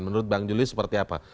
menurut bang juli seperti apa